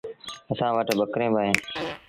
اسآݩ وٽ ٻڪريݩ با اوهيݩ۔